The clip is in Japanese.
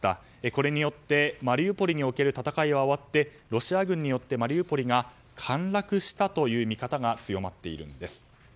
これによってマリウポリにおける戦いは終わってロシア軍によってマリウポリが陥落したという見方が強まっているんです。